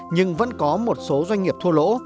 nhưng vẫn có một số doanh nghiệp thua lỗ